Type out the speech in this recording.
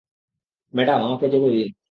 Madam, আমাকে যেতে দিন।